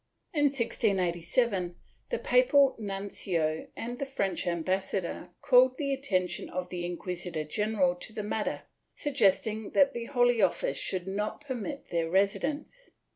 In 1687, the papal nuncio and the French ambassador called the attention of the inquisitor general to the matter, sug gesting that the Holy Office should not permit their residence.